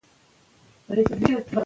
هر مشکل حل لري.